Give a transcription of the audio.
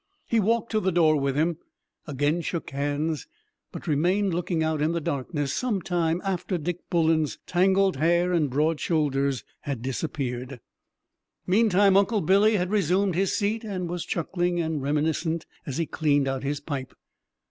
He walked to the door with him, again shook hands, but remained looking out in the darkness some time after Dick Bullen's tangled hair and broad shoulders had disappeared. Meantime, Uncle Billy had resumed his seat and was chuckling and reminiscent as he cleaned out his pipe.